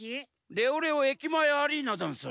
レオレオ駅まえアリーナざんす。